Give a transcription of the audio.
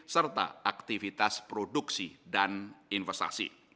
serta aktivitas produksi dan investasi